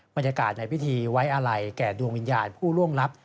บรรยากาศในพิธีไว้อาลัยแก่ดวงวิญญาณผู้ล่วงลับ